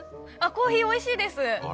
コーヒーおいしいです。